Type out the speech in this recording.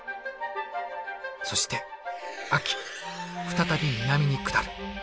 そして秋再び南に下る。